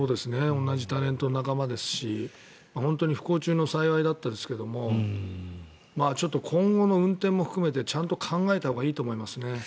同じタレントの仲間ですし本当に不幸中の幸いでしたけどちょっと今後の運転も含めてちゃんと考えたほうがいいと思います。